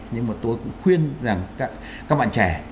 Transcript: nhưng mà tôi cũng khuyên rằng các bạn trẻ